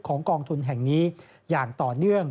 กองทุนแห่งนี้อย่างต่อเนื่อง